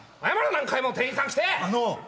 何回も店員さん来てあの！